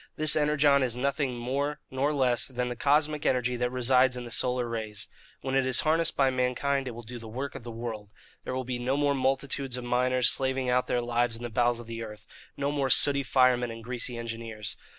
This Energon is nothing more nor less than the cosmic energy that resides in the solar rays. When it is harnessed by mankind it will do the work of the world. There will be no more multitudes of miners slaving out their lives in the bowels of the earth, no more sooty firemen and greasy engineers.